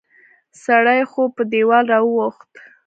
سړی خو په دیوال را واوښت